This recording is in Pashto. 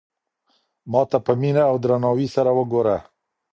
ما ته په مینه او درناوي سره وگوره.